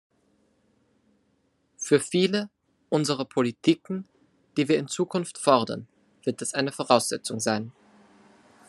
Für viele unserer Politiken, die wir in Zukunft fordern, wird das eine Voraussetzung sein.